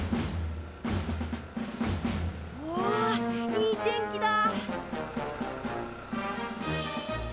おおいい天気だ。